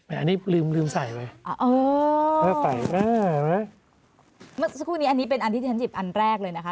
อันนี้ลืมลืมใส่ไว้อ๋อเอาไปอ่าเห็นไหมอันนี้เป็นอันที่ฉันจิบอันแรกเลยนะคะ